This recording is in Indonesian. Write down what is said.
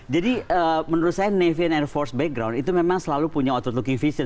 jadi menurut saya navy and air force background itu memang selalu punya outward looking vision